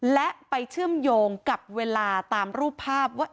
และไปเชื่อมโยงกับเวลาตามรูปภาพว่า